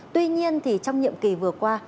tuy nhiên thì trong nhiệm kỳ vừa qua